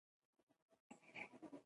پیرودونکی د نرخ له لوړې شکایت وکړ.